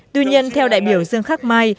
tuy nhiên theo đại biểu dương khắc mai